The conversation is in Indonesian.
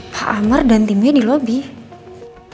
pak amar dan timnya di lobby